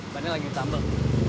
bannya lagi ditambel